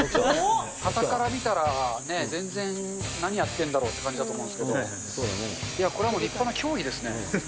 はたから見たらね、全然、何やってんるんだろうっていう感じだけど、いや、これはもう立派な競技ですね。